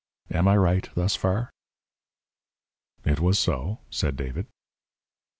Am I right thus far?" "It was so," said David.